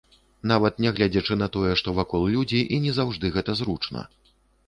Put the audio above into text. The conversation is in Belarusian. Нават нягледзячы на тое, што вакол людзі і не заўжды гэта зручна.